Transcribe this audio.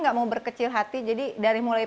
nggak mau berkecil hati jadi dari mulai